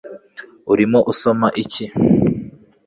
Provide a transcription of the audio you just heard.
urimo usoma iki